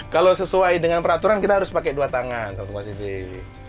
kalau sesuai dengan peraturan kita harus pakai dua tangan satu positif